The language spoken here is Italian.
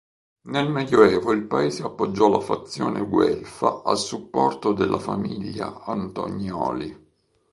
Nel medioevo il paese appoggiò la fazione guelfa a supporto della famiglia Antonioli.